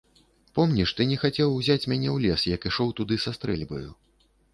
Помніш, ты не хацеў узяць мяне ў лес, як ішоў туды са стрэльбаю.